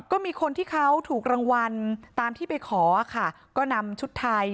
ก็มีคนที่เขาถูกรางวัลตามที่ไปขอค่ะก็นำชุดไทย